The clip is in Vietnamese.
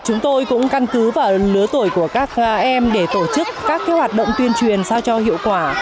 chúng tôi cũng căn cứ vào lứa tuổi của các em để tổ chức các hoạt động tuyên truyền sao cho hiệu quả